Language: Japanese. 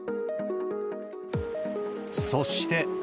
そして。